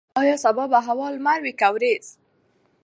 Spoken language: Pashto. ایا سبا به هوا لمر وي که وریځ؟